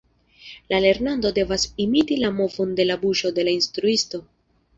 La lernanto devas imiti la movon de la buŝo de la instruisto.